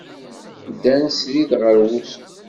Ddan srid ɣer wusu.